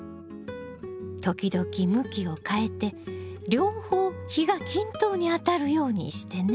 時々向きを変えて両方日が均等に当たるようにしてね。